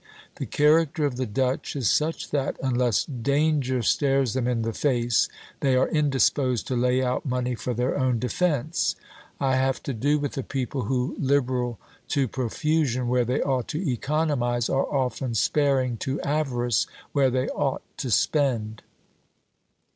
The character of the Dutch is such that, unless danger stares them in the face, they are indisposed to lay out money for their own defence. I have to do with a people who, liberal to profusion where they ought to economize, are often sparing to avarice where they ought to spend."